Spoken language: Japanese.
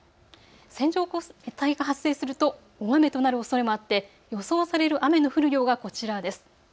線状降水帯が発生すると大雨となるおそれもあって予想される雨の降る量がこちらです。